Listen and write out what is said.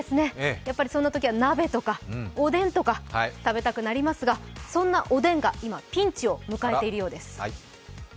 やっぱりそんなときには鍋とかおでんとか食べたくなりますがそんなおでんが今、ピンチを迎えているようです。